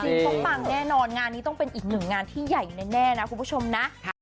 จริงต้องปังแน่นอนงานนี้ต้องเป็นอีกหนึ่งงานที่ใหญ่แน่นะคุณผู้ชมนะ